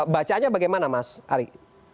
bacanya bagaimana mas ari